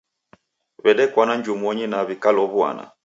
W'edekwana njumonyi na w'ikalow'uana.